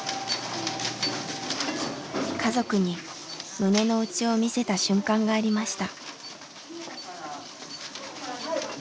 家族に胸の内を見せた瞬間がありました。